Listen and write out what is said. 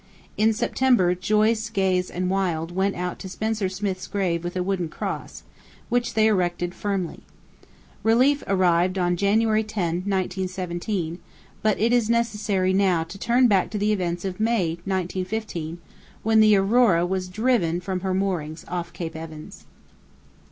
In September, Joyce, Gaze, and Wild went out to Spencer Smith's grave with a wooden cross, which they erected firmly. Relief arrived on January 10, 1917, but it is necessary now to turn back to the events of May 1915, when the Aurora was driven from her moorings off Cape Evans.